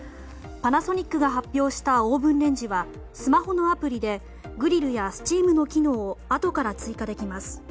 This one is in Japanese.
パナソニックが発表したオーブンレンジはスマホのアプリでグリルやスチームの機能をあとから追加できます。